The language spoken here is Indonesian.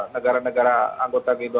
negara negara anggota g dua puluh